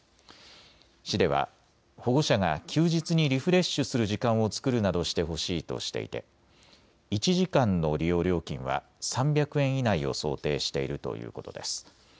市では保護者が休日にリフレッシュする時間を作るなどしてほしいとしていて１時間の利用料金は３００円以内を想定しているということです。